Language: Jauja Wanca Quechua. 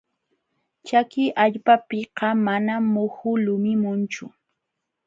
Chaki allpapiqa manam muhu yulimunchu.